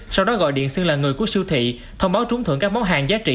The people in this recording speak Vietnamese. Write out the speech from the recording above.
sau đó gọi điện xưng là người của siêu thị thông báo trúng thưởng các món hàng giá trị